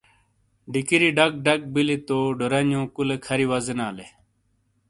ڈِکیری ڈَکڈک بیلی تو ڈورانیو کُلے کھَری وازینالے۔